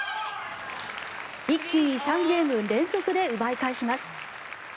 一気に３ゲーム連続で奪い返します。